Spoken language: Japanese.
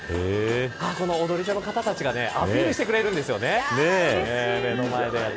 この踊り子の方たちがアピールしてくれるんです。